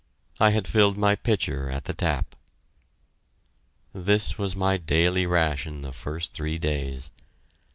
I had filled my pitcher at the tap. This was my daily ration the first three days.